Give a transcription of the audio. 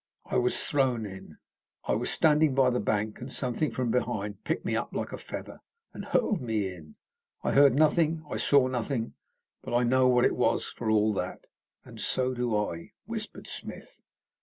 "I was thrown in. I was standing by the bank, and something from behind picked me up like a feather and hurled me in. I heard nothing, and I saw nothing. But I know what it was, for all that." "And so do I," whispered Smith.